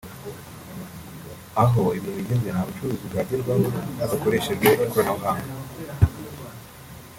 Aho ibihe bigeze nta bucuruzi bwagerwaho hadakoreshejwe ikoranabuhanga